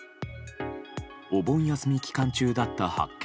お盆休み期間中だった発見